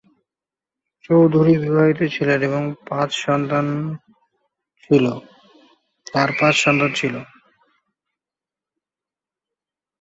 চৌধুরী বিবাহিত ছিলেন এবং তাঁর পাঁচ সন্তান ছিল।